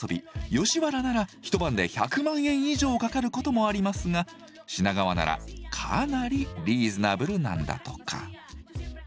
吉原なら一晩で１００万円以上かかることもありますが品川ならかなりリーズナブルなんだとか。